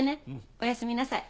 おやすみなさい。